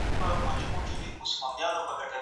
هغه د سرتېرو لپاره مثال جوړ کړ.